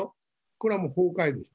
これはもう崩壊です。